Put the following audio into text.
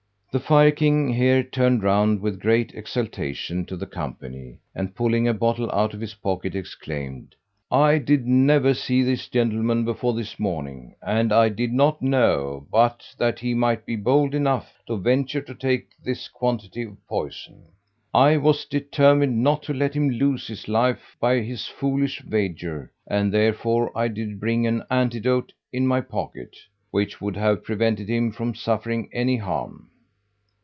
The fire king here turned round with great exultation to the company, and pulling a bottle out of his pocket, exclaimed, "I did never see this gentleman before this morning, and I did not know but that he might be bold enough to venture to take this quantity of poison. I was determined not to let him lose his life by his foolish wager, and therefore I did bring an antidote in my pocket, which would have prevented him from suffering any harm."